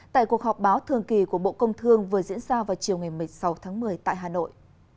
tại cuộc họp báo thường kỳ của bộ công thương vừa diễn ra vào chiều ngày một mươi sáu tháng một mươi tại hà nội